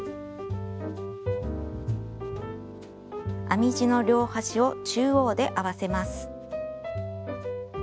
編み地の両端を中央で合わせます。